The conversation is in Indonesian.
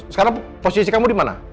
sekarang posisi kamu di mana